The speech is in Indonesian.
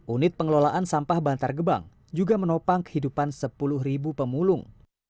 unit pengelolaan sampah bantar gebang juga menopang kehidupan sepuluh pemulung